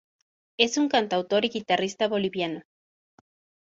Es un cantautor y guitarrista boliviano.